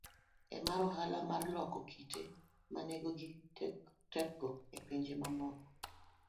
B. mar Ohala mar loko kite ma nengogi tekgo e pinje mamoko,